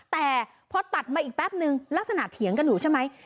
แต่พอตัดมาอีกแป๊บนึงลักษณะเถียงกันอยู่ใช่ไหม